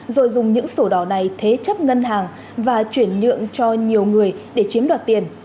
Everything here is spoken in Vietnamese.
rồi dùng những sổ đỏ này thế chấp ngân hàng và chuyển nhượng cho nhiều người để chiếm đoạt tiền